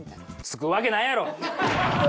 付くわけないやろ！